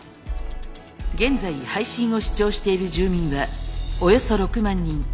現在配信を視聴している住民はおよそ６万人。